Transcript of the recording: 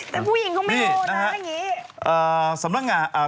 แต่ผู้หญิงเขาไม่โอนะอย่างนี้นี่นะฮะ